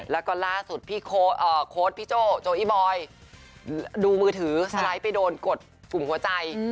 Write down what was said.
แล้วก็ล่าสุดพี่โค้ดพี่โจ้โจอีบอยดูมือถือสไลด์ไปโดนกดปุ่มหัวใจ